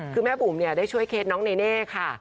คือแม่บุ๋มเนี่ยได้ช่วยเคล็ดน้องเนเน่ค่ะ